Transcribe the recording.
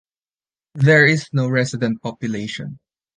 There is no resident population.